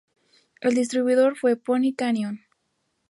El distribuidor fue Pony Canyon.